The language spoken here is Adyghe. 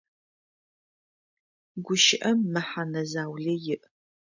Гущыӏэм мэхьэнэ заулэ иӏ.